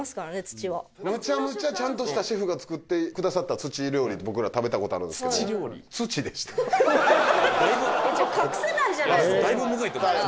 土はむちゃむちゃちゃんとしたシェフが作ってくださった土料理僕ら食べたことあるんですけどじゃあ隠せないじゃないですか